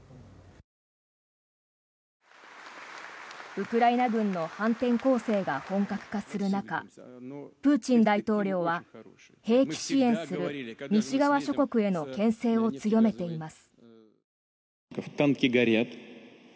ウクライナ軍の反転攻勢が本格化する中プーチン大統領は兵器支援する西側諸国へのけん制を強めています。